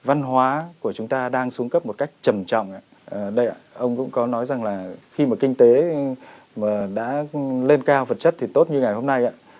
văn hóa của chúng ta đang xuống cấp một cách trầm trọng đây ạ ông cũng có nói rằng là khi mà kinh tế đã lên cao vật chất thì tốt như ngày hôm nay ạ